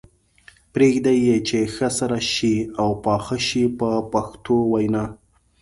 پرېږدي یې چې ښه سره شي او پاخه شي په پښتو وینا.